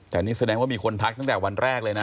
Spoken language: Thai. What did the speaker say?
แต่นี่แสดงว่ามีคนทักตั้งแต่วันแรกเลยนะ